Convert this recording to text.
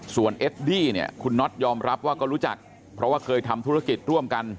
ส่วนเอดดี้เนี่ยคุณน็อตยอมรับว่าก็รู้จักเพราะว่าเคยทำธุรกิจร่วมกัน